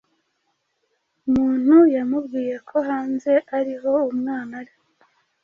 umuntu yamubwiye ko hanze ariho umwana ari